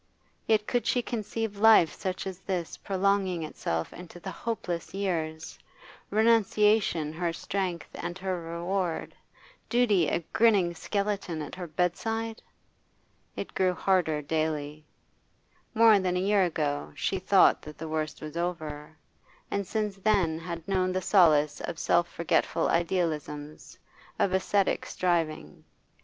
Yet could she conceive life such as this prolonging itself into the hopeless years, renunciation her strength and her reward, duty a grinning skeleton at her bedside? It grew harder daily. More than a year ago she thought that the worst was over, and since then had known the solace of self forgetful idealisms, of ascetic striving.